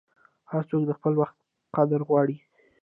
هر څوک د خپل وخت قدر غواړي.